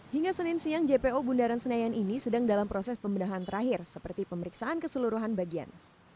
hingga senin siang jpo bundaran senayan ini sedang dalam proses pembedahan terakhir seperti pemeriksaan keseluruhan bagian